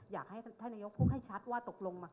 อยากให้ท่านนายกพูดให้ชัดว่าตกลง